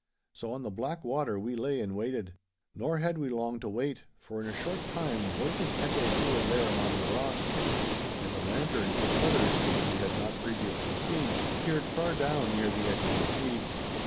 So on the black water we lay and waited. Nor had we long to wait, for in a short time voices echoed here and there among the rocks, and the lantern, with others which we had not previously seen, appeared far down near the edge of the sea.